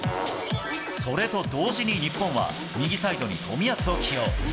それと同時に日本は、右サイドに冨安を起用。